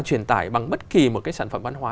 truyền tải bằng bất kỳ một cái sản phẩm văn hóa